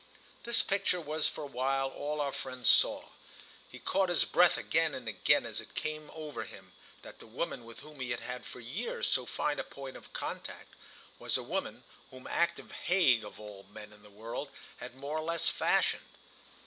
This picture was for a while all our friend saw: he caught his breath again and again as it came over him that the woman with whom he had had for years so fine a point of contact was a woman whom Acton Hague, of all men in the world, had more or less fashioned.